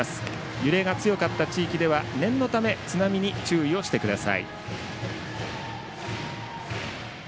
揺れが強かった地域では念のため津波に注意してください。